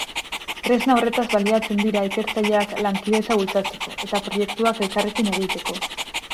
Tresna horretaz baliatzen dira ikertzaileak lankidetza bultzatzeko eta proiektuak elkarrekin egiteko.